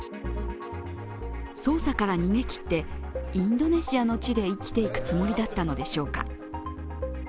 捜査から逃げきってインドネシアの地で生きていくつもりだったのでしょうか。